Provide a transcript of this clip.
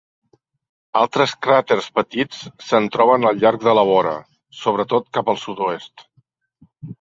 Altres cràters petits se'n troben al llarg de la vora, sobretot cap al sud-oest.